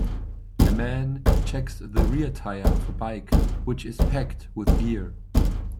A man checks the rear tire of a bike which is packed with gear.